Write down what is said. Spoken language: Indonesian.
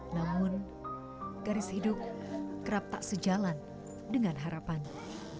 namun garis hidup kerap tak sejalan dengan harapannya